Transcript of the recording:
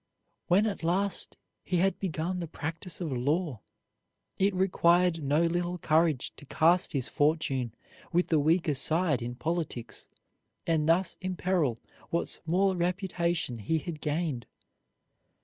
When at last he had begun the practice of law, it required no little courage to cast his fortune with the weaker side in politics, and thus imperil what small reputation he had gained.